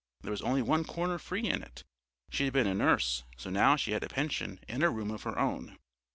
There was only one corner free in it. She had been a nurse, so now she had a pension and a room of her own.